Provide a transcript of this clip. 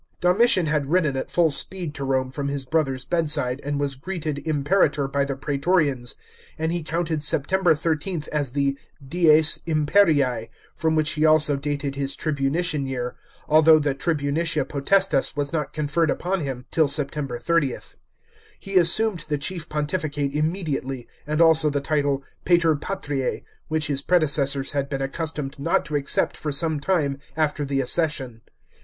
Domitian had ridden at full speed to Rome from his brother's bedside, and was greeted Imperator by the praetorians, and he counted September 13th as the dies imperil, from which he also dated his tribunician year, although the tribunicia potestas was not conferred upon him till September 30th. He assumed the chief Pontificate immediately, and also the title Pater Patrias, which his predecessors had been accustomed not to accept for some time after the accession.